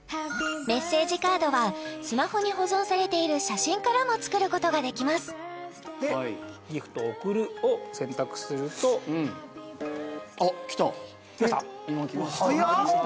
メッセージカードはスマホに保存されている写真からも作ることができますで来ました？